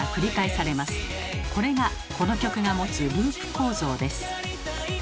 これがこの曲が持つ「ループ構造」です。